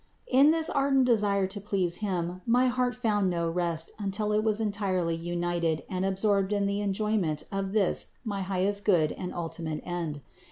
In this ardent desire to please Him my heart found no rest until it was entirely united and absorbed in the en joyment of this my highest Good and ultimate End.